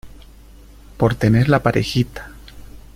por tener la parejita.